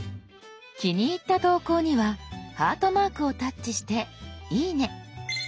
気に入った投稿にはハートマークをタッチして「いいね」。